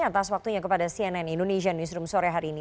atas waktunya kepada cnn indonesia newsroom sore hari ini